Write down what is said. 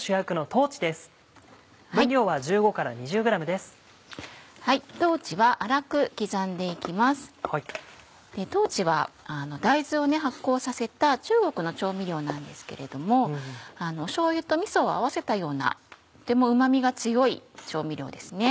豆は大豆を発酵させた中国の調味料なんですけれどもしょうゆとみそを合わせたようなとてもうま味が強い調味料ですね。